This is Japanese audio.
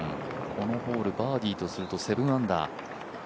このホール、バーディーとすると７アンダー。